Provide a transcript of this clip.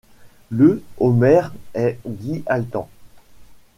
Le au maire est Guy Atlan.